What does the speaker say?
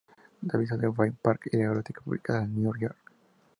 Divisa el Bryant Park y la Biblioteca Pública de Nueva York.